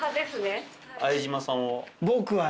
相島さんは？